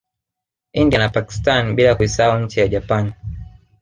India na Pakstani bila kuisahau nchi ya Japani